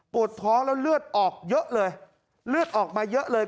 ปวดท้องและเลือดออกมันมาเยอะเลย